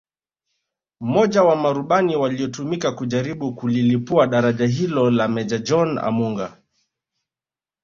Mmoja wa marubani waliotumika kujaribu kulilipua daraja hilo ni Meja John Amunga